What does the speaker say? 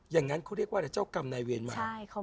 อย่างนั้นเขาเรียกว่าอะไรเจ้ากรรมนายเวรมา